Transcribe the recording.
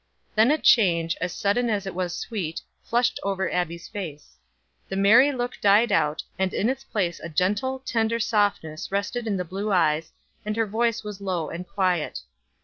Then a change, as sudden as it was sweet, flushed over Abbie's face. The merry look died out, and in its place a gentle, tender softness rested in the bright blue eyes, and her voice was low and quiet.